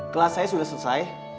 kelas saya sudah selesai